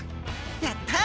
やった！